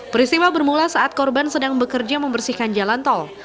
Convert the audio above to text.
peristiwa bermula saat korban sedang bekerja membersihkan jalan tol